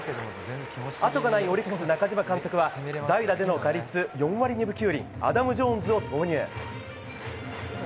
あとがないオリックスの中嶋監督は代打での打率４割２分９厘アダム・ジョーンズを投入。